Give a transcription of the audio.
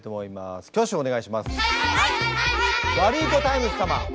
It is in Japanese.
ワルイコタイムス様。